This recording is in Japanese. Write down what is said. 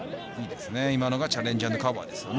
今のがチャレンジアンドカバーですよね。